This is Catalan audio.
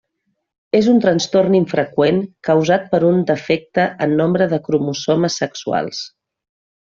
És un trastorn infreqüent causat per un defecte en nombre de cromosomes sexuals.